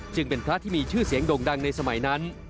จึงเป็นพระที่มีชื่อเสียงโด่งดังในสมัยนั้น